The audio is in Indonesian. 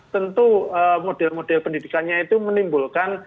tentu model model pendidikannya itu menimbulkan